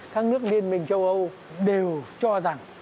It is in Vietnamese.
các nước liên minh châu âu đều cho rằng